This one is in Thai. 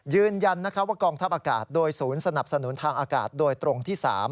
ยืนยันว่ากองทัพอากาศโดยศูนย์สนับสนุนทางอากาศโดยตรงที่๓